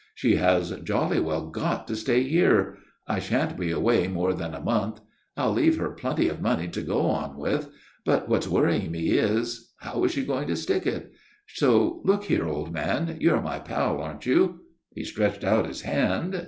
She has jolly well got to stay here. I sha'n't be away more than a month. I'll leave her plenty of money to go on with. But what's worrying me is how is she going to stick it? So look here, old man, you're my pal, aren't you?" He stretched out his hand.